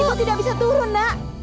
aku tidak bisa turun nak